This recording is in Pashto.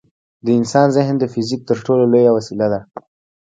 د انسان ذهن د فزیک تر ټولو لوی وسیله ده.